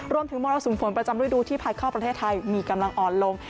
รวมถึงมรสุมฝนประจำรวดดูที่ผ่านเข้าประเทศไทยมีกำลังอ่อนลง